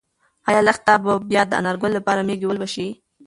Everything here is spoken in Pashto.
ایا لښتې به بیا د انارګل لپاره مېږې ولوشي؟